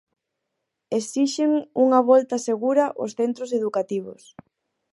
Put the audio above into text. Esixen unha volta segura aos centros educativos.